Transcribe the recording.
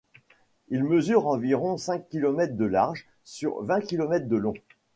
Il mesure environ cinq kilomètres de large sur vingt kilomètres de long.